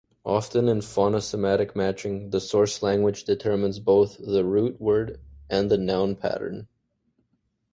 Often in phono-semantic matching, the source-language determines both the root word and the noun-pattern.